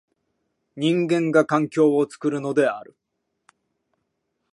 人間が環境を作るのである。